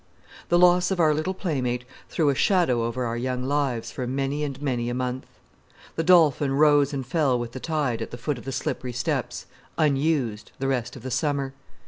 The loss of our little playmate threw a shadow over our young lives for many and many a month. The Dolphin rose and fell with the tide at the foot of the slippery steps, unused, the rest of the summer.